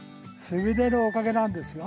すみれのおかげなんですよ。